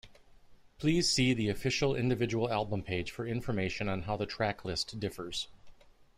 Please see the official individual album page for information on how the tracklist differs.